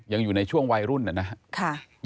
ยังอยู่ในช่วงวัยรุ่นนะครับ